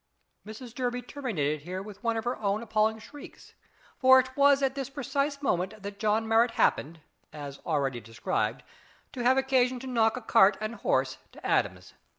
Mrs Durby terminated here with one of her own appalling shrieks, for it was at this precise moment that John Marrot happened, as already described, to have occasion to knock a cart and horse to atoms.